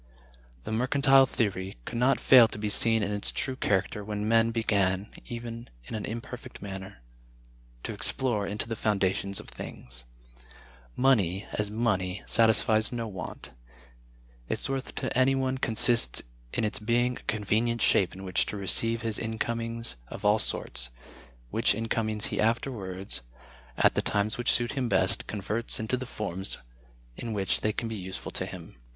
The Mercantile Theory could not fail to be seen in its true character when men began, even in an imperfect manner, to explore into the foundations of things. Money, as money, satisfies no want; its worth to any one consists in its being a convenient shape in which to receive his incomings of all sorts, which incomings he afterwards, at the times which suit him best, converts into the forms in which they can be useful to him.